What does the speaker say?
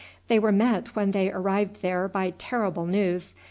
They were met when they arrived there by terrible news.